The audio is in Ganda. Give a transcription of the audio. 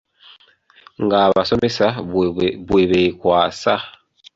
Ng’abasomesa bwe beekwasa.